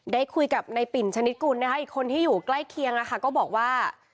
ได้คุยกับในปิ่นชนิดกุลนะคะอีกคนที่อยู่ใกล้เคียงก็บอกว่า